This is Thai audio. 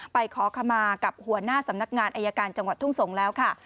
ไปขอขมากับหัวหน้าสำนักงานอายการจังหวัดทุ่งสงศ์แล้วค่ะ